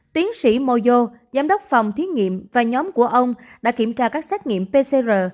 tiến sĩ moyo giám đốc phòng thiết nghiệm và nhóm của ông đã kiểm tra các xét nghiệm pcr